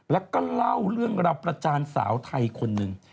แล้วก็เล่าเรื่องราวประจานสาวไทยคนหนึ่ง